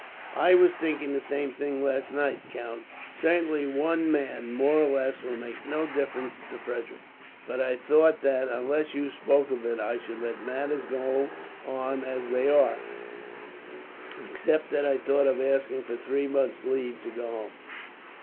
"I was thinking the same, last night, count. Certainly one man, more or less, will make no difference to Frederick; but I thought that, unless you spoke of it, I should let matters go on as they are, except that I thought of asking for three months' leave to go home."